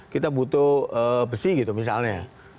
kita butuh besi gitu misalnya